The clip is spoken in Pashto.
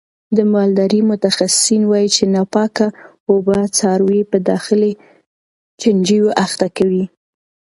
د مالدارۍ متخصصین وایي چې ناپاکه اوبه څاروي په داخلي چنجیو اخته کوي.